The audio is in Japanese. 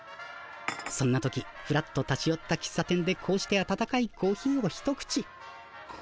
そんな時ふらっと立ちよったきっさ店でこうして温かいコーヒーを一口。